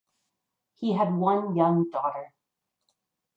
He had one young daughter.